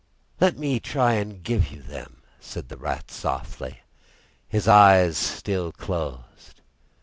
"Let me try and give you them," said the Rat softly, his eyes still closed.